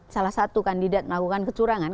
salah satu kandidat melakukan kecurangan